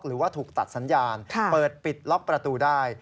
หรือว่าถูกตัดสัญญาณเปิดปิดล็อกประตูได้